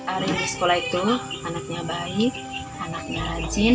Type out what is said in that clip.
arin di sekolah itu anaknya baik anaknya rajin